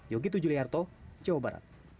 yogi tujuliarto jawa barat